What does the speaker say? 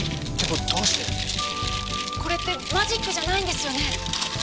これってマジックじゃないんですよね？